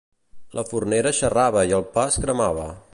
La fornera xerrava i el pa es cremava.